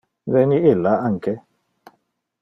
Veni illa, anque?